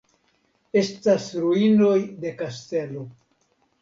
Estas ruinoj de kastelo.